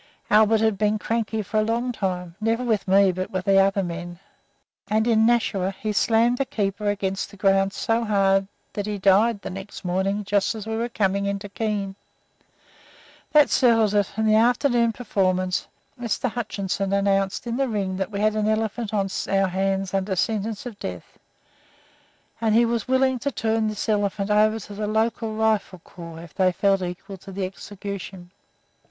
Albert had been cranky for a long time never with me, but with the other men and in Nashua he slammed a keeper against the ground so hard that he died the next morning just as we were coming into Keene. That settled it, and at the afternoon performance Mr. Hutchinson announced in the ring that we had an elephant on our hands under sentence of death, and he was willing to turn this elephant over to the local rifle corps if they felt equal to the execution.